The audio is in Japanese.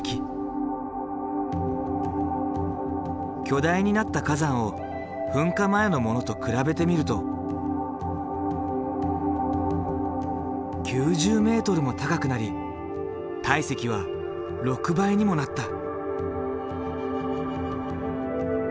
巨大になった火山を噴火前のものと比べてみると９０ｍも高くなり体積は６倍にもなった。